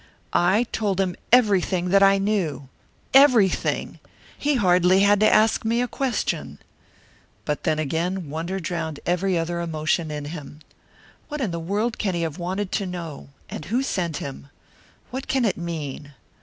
"I told him everything that I knew! Everything! He hardly had to ask me a question!" But then again, wonder drowned every other emotion in him. "What in the world can he have wanted to know? And who sent him? What can it mean?"